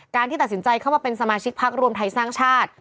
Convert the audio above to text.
ที่ตัดสินใจเข้ามาเป็นสมาชิกพักรวมไทยสร้างชาติ